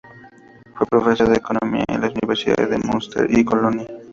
Fue profesor de economía en las universidades de Münster y Colonia.